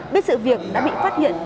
biết sự việc đã bị phát hiện